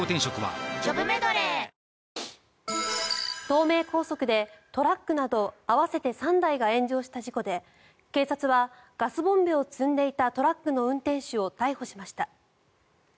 東名高速で、トラックなど合わせて３台が炎上した事故で警察はガスボンベを積んでいたトラックの運転手を逮捕しました。